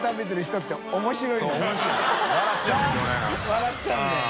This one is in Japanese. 笑っちゃうんだよ。